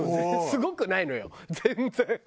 すごくないのよ全然。